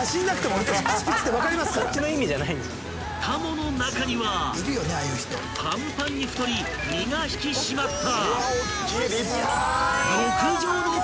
［タモの中にはぱんぱんに太り身が引き締まった］